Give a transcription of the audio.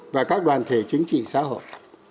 và các đoàn thể chính trị xã hội